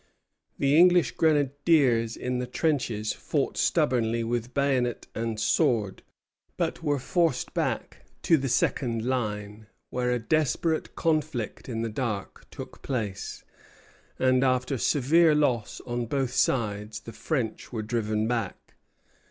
The English grenadiers in the trenches fought stubbornly with bayonet and sword, but were forced back to the second line, where a desperate conflict in the dark took place; and after severe loss on both sides the French were driven back.